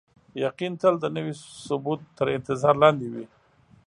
یقین تل د نوي ثبوت تر انتظار لاندې وي.